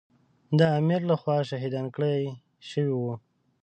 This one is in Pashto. د امیر له خوا شهیدان کړای شوي وو.